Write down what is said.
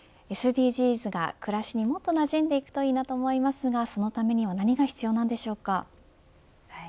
ＳＤＧｓが暮らしにもっと馴染んでいくといいなと思いますがそのためには何が必要なんでしょうか。